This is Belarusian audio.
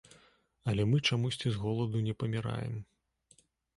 Але мы чамусьці з голаду не паміраем.